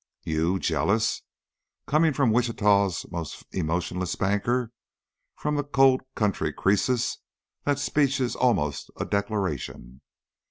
"You? Jealous? Coming from Wichita's most emotionless banker, from the cold county Croesus, that speech is almost a a declaration."